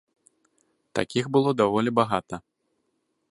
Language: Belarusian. Такіх было даволі багата.